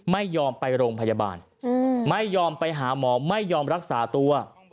ไม่ยอมไปโรงพยาบาลไม่ยอมไปหาหมอไม่ยอมรักษาตัว